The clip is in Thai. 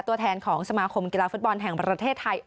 ตัวแทนของสมาคมกีฬาฟุตบอลแห่งประเทศไทย